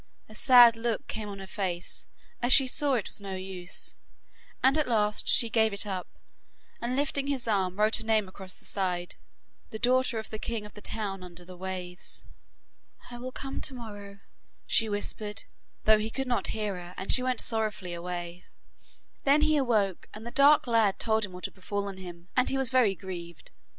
A sad look came on her face, as she saw it was no use, and at last she gave it up, and lifting his arm, wrote her name across the side 'the daughter of the king of the town under the waves.' 'I will come to morrow,' she whispered, though he could not hear her, and she went sorrowfully away. Then he awoke, and the dark lad told him what had befallen him, and he was very grieved.